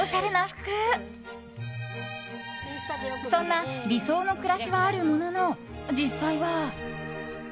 そんな理想な暮らしはあるものの実際は。